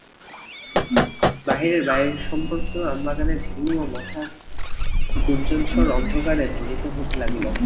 বাহিরের বায়ুসম্পর্কশূন্য আমবাগানে ঝিল্লি ও মশার গুঞ্জনস্বর অন্ধকারে ধ্বনিত হইতে লাগিল।